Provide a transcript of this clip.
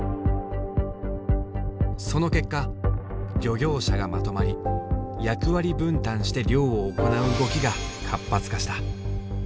その結果漁業者がまとまり役割分担して漁を行う動きが活発化した。